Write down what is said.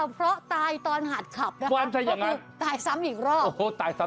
เพราะตายตอนหัดขับนะคะตายซ้ำอีกรอบ